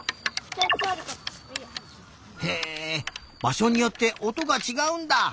へえばしょによっておとがちがうんだ。